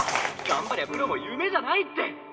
頑張りゃプロも夢じゃないって！